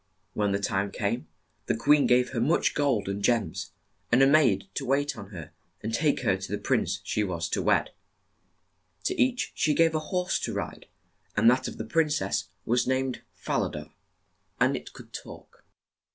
When the time came, the queen gave her much gold and gems, and a maid to wait on her and take her to the prince she was to wed. To each she gave a horse to ride, and that of the prin cess was named Fa la da, and it could talk.